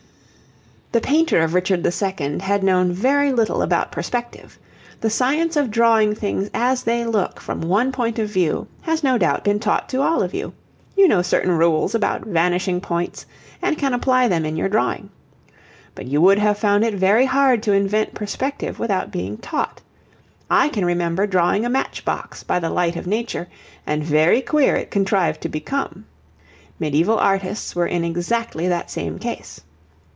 The painter of Richard II. had known very little about perspective. The science of drawing things as they look from one point of view has no doubt been taught to all of you. You know certain rules about vanishing points and can apply them in your drawing. But you would have found it very hard to invent perspective without being taught. I can remember drawing a matchbox by the light of nature, and very queer it contrived to become. Medieval artists were in exactly that same case.